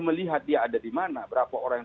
melihat dia ada dimana berapa orang yang